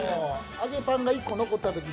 揚げパンが１個残ったとき